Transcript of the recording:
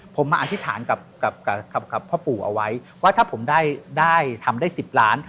ผมมาอธิษฐานกับพ่อปู่เอาไว้ว่าถ้าผมได้ทำได้๑๐ล้าน